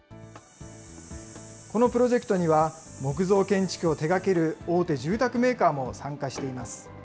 このプロジェクトには、木造建築を手がける大手住宅メーカーも参加しています。